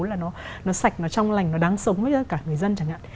là nó sạch nó trong lành nó đáng sống với cả người dân chẳng hạn